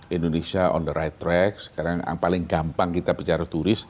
indonesia on the right track sekarang paling gampang kita bicara turis